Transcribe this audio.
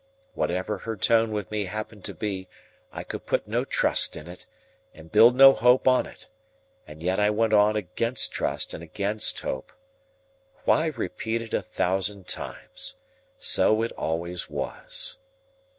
Whatever her tone with me happened to be, I could put no trust in it, and build no hope on it; and yet I went on against trust and against hope. Why repeat it a thousand times? So it always was.